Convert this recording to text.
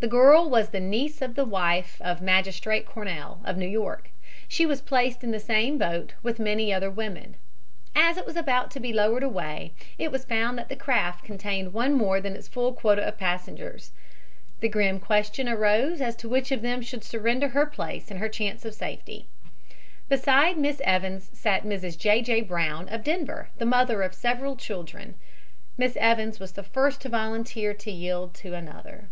The girl was the niece of the wife of Magistrate Cornell, of New York. She was placed in the same boat with many other women. As it was about to be lowered away it was found that the craft contained one more than its full quota of passengers. The grim question arose as to which of them should surrender her place and her chance of safety. Beside Miss Evans sat Mrs. J. J. Brown, of Denver, the mother of several children. Miss Evans was the first to volunteer to yield to another.